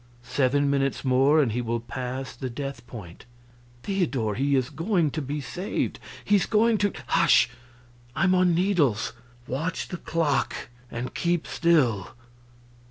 Seven minutes more and he will pass the death point. Theodor, he is going to be saved! He's going to " "Hush! I'm on needles. Watch the clock and keep still."